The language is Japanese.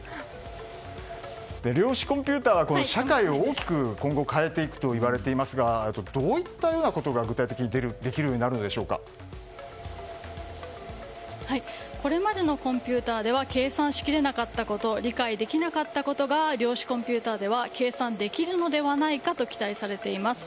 量子コンピューターは社会を大きく今後変えていくといわれていますがどういったことが具体的にこれまでのコンピューターでは計算しきれなかったこと理解できなかったことが量子コンピューターでは計算できるのではないかと期待されています。